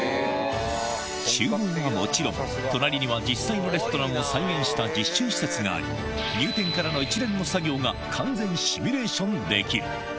ちゅう房はもちろん、隣には実際のレストランを再現した実習施設があり、入店からの一連の作業が完全シミュレーションできる。